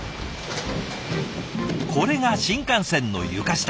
これが新幹線の床下。